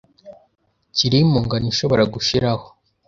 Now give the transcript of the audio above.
kiri mu ngano ishobora gushiraho